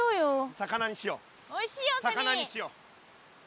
魚にしよう。